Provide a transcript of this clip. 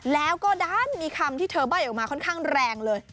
แล้วก็ด้านมีคำที่เธอใบ้ออกมาค่อนข้างแรงเลย